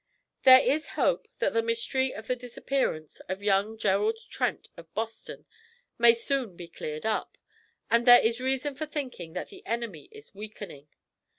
'There is hope that the mystery of the disappearance of young Gerald Trent of Boston may soon be cleared up. And there is reason for thinking that the enemy is weakening.